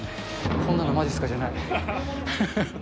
こんなのまじっすかじゃない。